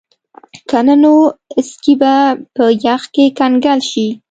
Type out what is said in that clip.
که نه نو سکي به په یخ کې کنګل شي